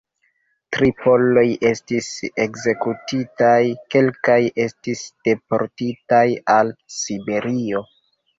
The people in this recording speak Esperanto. Tri poloj estis ekzekutitaj, kelkaj estis deportitaj al Siberio.